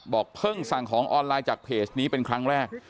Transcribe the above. เพิ่งสั่งของออนไลน์จากเพจนี้เป็นครั้งแรก